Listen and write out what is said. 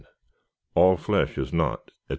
All flesh is not, &c.